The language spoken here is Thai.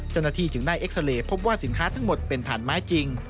เจ้าหน้าที่จึงได้เอ็กซาเลพบว่าสินค้าทั้งหมดเป็นฐานไม้จริง